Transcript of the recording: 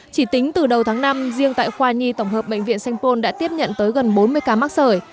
chỉ tính từ đầu tháng năm riêng tại khoa nhi tổng hợp bệnh viện sanh pôn đã tiếp nhận tới gần bốn mươi ca mắc sởi